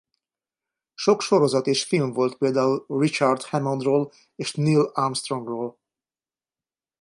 Sok sorozat és film volt például Richard Hammond-ról és Neil Armstrong-ról.